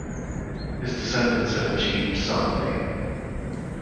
His descendants have achieved some fame.